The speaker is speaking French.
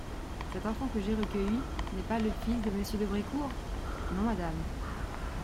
Cet enfant que j'ai recueilli n'est pas le fils de Monsieur de Brécourt ? Non, madame.